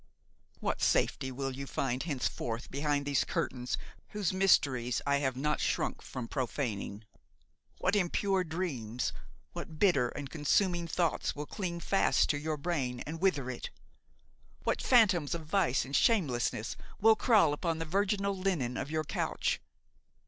What safety will you find henceforth behind these curtains whose mysteries I have not shrunk from profaning? What impure dreams, what bitter and consuming thoughts will cling fast to your brain and wither it! What phantoms of vice and shamelessness will crawl upon the virginal linen of your couch!